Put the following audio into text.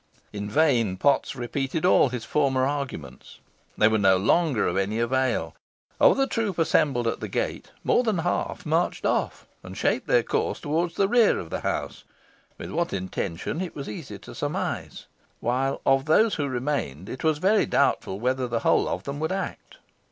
In vain Potts repeated all his former arguments. They were no longer of any avail. Of the troop assembled at the gate more than half marched off, and shaped their course towards the rear of the house with what intention it was easy to surmise while of those who remained it was very doubtful whether the whole of them would act.